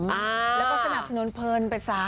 แล้วก็สนับสนุนเพลินไป๓